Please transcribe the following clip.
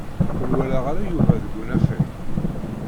Ur walaɣ ara Yuba deg unafag.